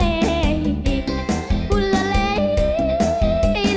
มาหลอกรักชักจุงแล้วทำให้เค้ง